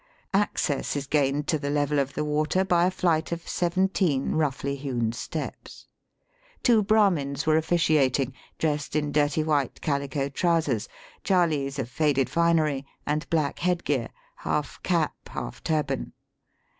Access is gained to the level of the water by a flight of seventeen roughly hewn steps. Two Brahmins were officiating, dressed in dirty white cahco trousers, chalis of faded finery, and black headgear, half cap, half turban.